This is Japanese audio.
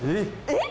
えっ？